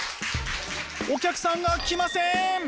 お客さんが来ません！